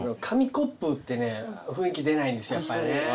紙コップってね雰囲気出ないんですやっぱね。